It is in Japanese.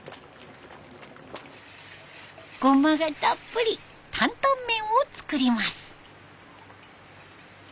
ゴマがたっぷり担々麺を作ります。